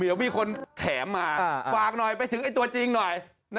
เดี๋ยวมีคนแถมมาฝากหน่อยไปถึงไอ้ตัวจริงหน่อย